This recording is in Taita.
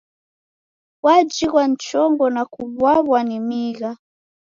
Wajighwa ni chongo na kuw'aw'a ni migha.